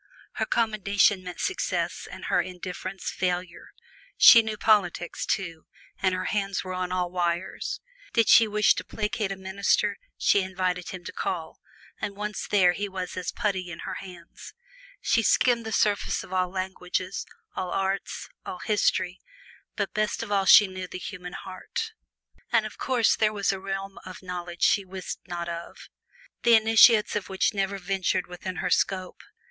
Her commendation meant success and her indifference failure. She knew politics, too, and her hands were on all wires. Did she wish to placate a minister, she invited him to call, and once there he was as putty in her hands. She skimmed the surface of all languages, all arts, all history, but best of all she knew the human heart. Of course there was a realm of knowledge she wist not of the initiates of which never ventured within her scope.